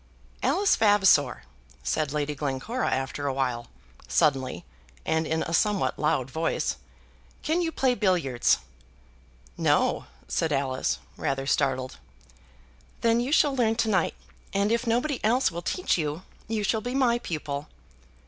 "Alice Vavasor," said Lady Glencora after a while, suddenly, and in a somewhat loud voice, "can you play billiards?" "No," said Alice, rather startled. "Then you shall learn to night, and if nobody else will teach you, you shall be my pupil."